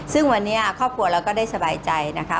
ซึ่งวันนี้ครอบครัวเราก็ได้สบายใจนะคะ